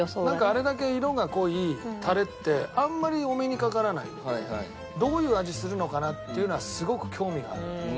あれだけ色が濃いタレってあんまりお目にかからないのでどういう味するのかなっていうのはすごく興味がある。